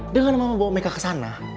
dengan mama bawa meka ke sana